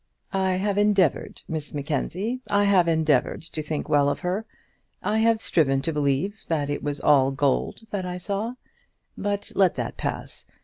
"I have endeavoured, Miss Mackenzie I have endeavoured to think well of her. I have striven to believe that it was all gold that I saw. But let that pass.